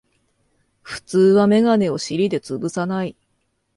普通はメガネを尻でつぶさない